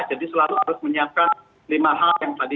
jadi selalu harus menyiapkan lima hal yang tadi